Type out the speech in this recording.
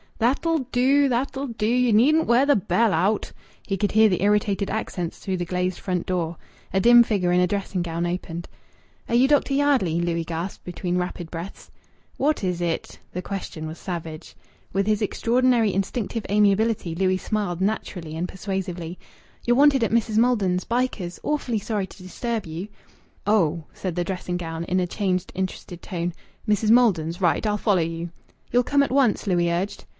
"That'll do! That'll do! You needn't wear the bell out." He could hear the irritated accents through the glazed front door. A dim figure in a dressing gown opened. "Are you Dr. Yardley?" Louis gasped between rapid breaths. "What is it?" The question was savage. With his extraordinary instinctive amiability Louis smiled naturally and persuasively. "You're wanted at Mrs. Maldon's, Bycars. Awfully sorry to disturb you." "Oh!" said the dressing gown in a changed, interested tone. "Mrs. Maldon's! Right. I'll follow you." "You'll come at once?" Louis urged.